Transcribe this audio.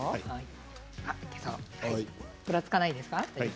ぐらつかないですか？